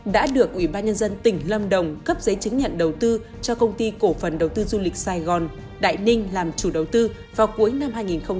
đã được ủy ban nhân dân tỉnh lâm đồng cấp giấy chứng nhận đầu tư cho công ty cổ phần đầu tư du lịch sài gòn đại ninh làm chủ đầu tư vào cuối năm hai nghìn một mươi bảy